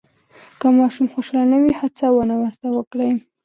که ماشوم خوشحاله نه وي، هڅونه ورته وکړئ.